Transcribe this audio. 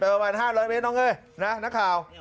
ไปประมาณห้าร้อยเมตรน้องเฮ้ยนะนักข่าว